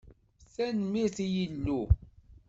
Tanemmirt i Yillu.